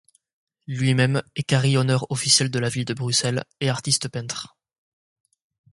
Lui-même est carillonneur officiel de la ville de Bruxelles et artiste-peintre.